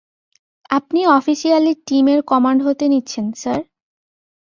আপনি অফিসিয়ালি টিমের কমান্ড হাতে নিচ্ছেন, স্যার?